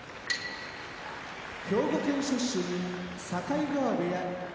兵庫県出身境川部屋